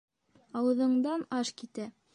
Ауыҙыңдан аш китә.